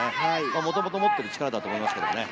もともと持っている力だと思いますけどね。